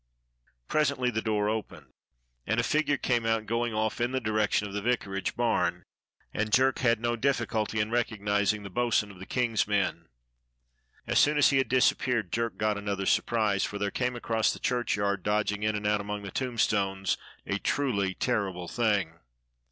Presently the door opened and a figure came out, going off in the direction of the vicarage barn, and Jerk had no diflSculty in recognizing the bo'sun of the King's men. As soon as he had disappeared Jerk got another sur prise, for there came across the churchyard, dodging in and out among the tombstones, a truly terrible thing.